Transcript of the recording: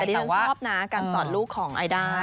แต่ได้ต้องชอบนะการสอนลูกของไอด่า